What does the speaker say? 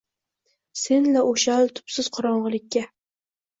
Sen-la o’shal tubsiz qorong’ilikka.